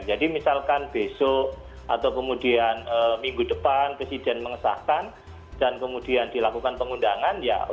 jadi misalkan besok atau kemudian minggu depan presiden mengesahkan dan kemudian dilakukan pengundangan ya otomatis ru